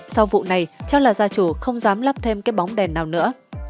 sau vụ này cho là gia chủ không dám lắp thêm cái bóng đèn nào nữa